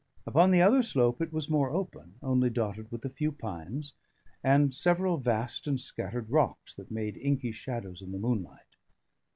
Upon the other slope it was more open, only dotted with a few pines, and several vast and scattered rocks that made inky shadows in the moonlight.